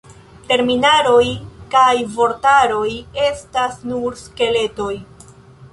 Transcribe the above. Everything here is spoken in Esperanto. Terminaroj kaj vortaroj estas nur skeletoj.